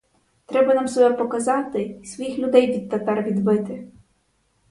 Треба нам себе показати й своїх людей від татар відбити.